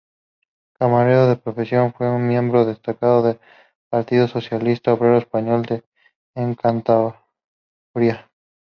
Camarero de profesión, fue un miembro destacado del Partido Socialista Obrero Español en Cantabria.